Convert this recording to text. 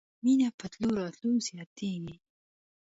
مینه په تلو راتلو زیاتیږي